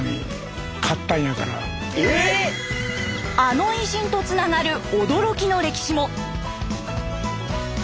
あの偉人とつながる驚きの歴史も。